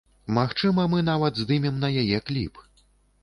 Магчыма, мы нават здымем на яе кліп.